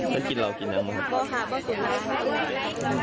มึงมึงมึงมึงมึงมึงมึงมึงมึงมึงมึงมึงมึงมึง